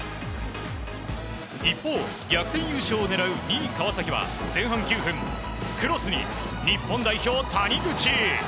一方、逆転優勝を狙う２位、川崎は前半９分クロスに日本代表、谷口！